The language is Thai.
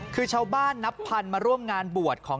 คือชาวบ้านนับพันมาร่วมงานบวชของ